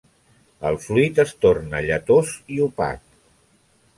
El fluid es torna lletós i opac.